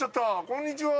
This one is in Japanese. こんにちは。